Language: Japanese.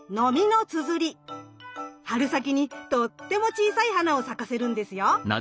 春先にとっても小さい花を咲かせるんですよ。